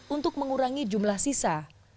untuk mengurangi jumlah sisa